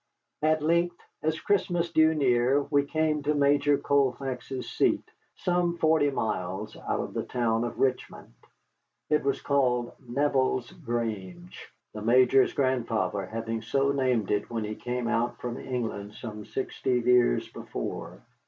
At length, as Christmas drew near, we came to Major Colfax's seat, some forty miles out of the town of Richmond. It was called Neville's Grange, the Major's grandfather having so named it when he came out from England some sixty years before.